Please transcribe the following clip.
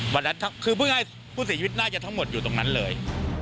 วันนั้นคือพูดง่ายผู้เสียชีวิตน่าจะทั้งหมดอยู่ตรงนั้นเลย